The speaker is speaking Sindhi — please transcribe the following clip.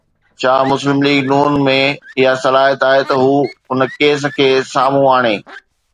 ڇا مسلم ليگ ن ۾ اها صلاحيت آهي ته هو ان ڪيس کي سامهون آڻي؟